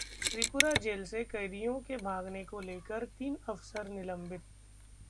Tripura jail से कैदियों के भागने को लेकर तीन अफसर निलंबित